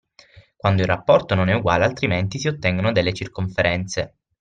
Quando il rapporto non è uguale altrimenti si ottengono delle circonferenze.